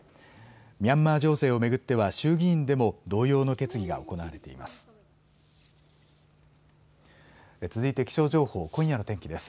ミャンマー情勢を巡っては衆議院でも同様の決議が行われています。